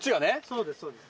そうですそうです。